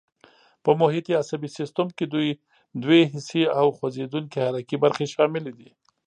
په محیطي عصبي سیستم کې دوې حسي او خوځېدونکي حرکي برخې شاملې دي.